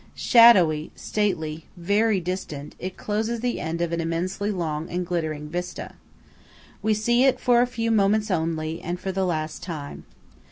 Shadowy, stately, very distant, it closes the end of an immensely long and glittering vista. We see it for a few moments only, and for the last time.